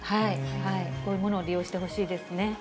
こういうものを利用してほしいですね。